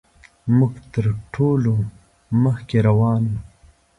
موږ تر ټولو مخکې روان وو.